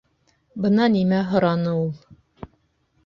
Бына нимә һораны ул...